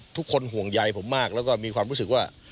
ทุกคนห่วงใยผมมากแล้วก็มีความรู้สึกว่า